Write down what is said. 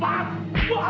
buat bukpit aja